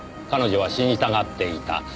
彼女は死にたがっていた。